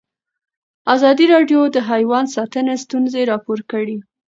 ازادي راډیو د حیوان ساتنه ستونزې راپور کړي.